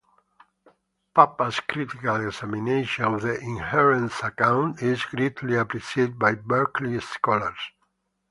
Pappas' critical examination of the "inherence account" is greatly appreciated by Berkeley scholars.